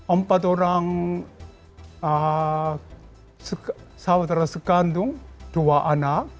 empat orang saudara sekandung dua anak